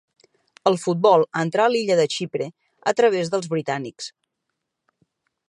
El futbol entrà a l'illa de Xipre a través dels britànics.